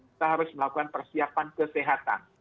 kita harus melakukan persiapan kesehatan